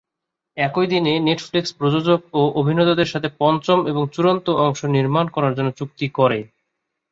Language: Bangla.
একই দিনে নেটফ্লিক্স প্রযোজক এবং অভিনেতাদের সাথে পঞ্চম এবং চূড়ান্ত অংশ নির্মাণ করার জন্য চুক্তি করে।